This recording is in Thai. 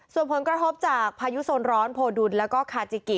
ส่วนผลกระทบจากพายุโซนร้อนโพดุลแล้วก็คาจิกิ